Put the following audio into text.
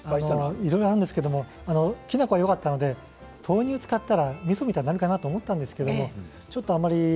いろいろあるんですけどきな粉がよかったので豆乳を使ったら、みそみたいになるかなと思ったんですけどちょっとあんまり。